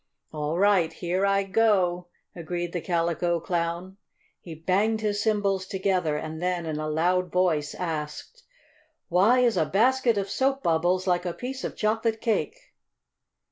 "All right I Here I go!" agreed the Calico Clown. He banged his cymbals together and then, in a loud voice, asked: "Why is a basket of soap bubbles like a piece of chocolate cake?"